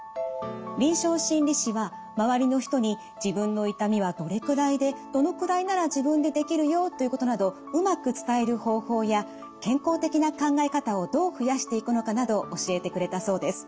臨床心理士は周りの人に自分の痛みはどれくらいでどのくらいなら自分でできるよということなどうまく伝える方法や健康的な考え方をどう増やしていくのかなど教えてくれたそうです。